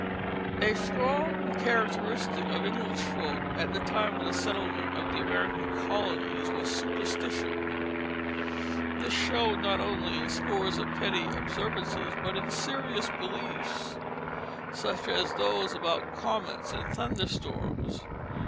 A strong characteristic of English folk at the time of the settlement of the American colonies was superstition. This showed not only in scores of petty observances but in serious beliefs, such as those about comets and thunder storms.